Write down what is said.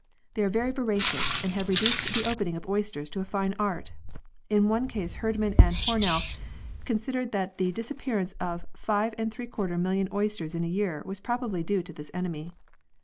They are very voracious, and have reduced the opening of oysters to a fine art ! In one case Herdman and Hornell considered that the disappearance of 5f mil lion oysters in a year was probably due to this enemy.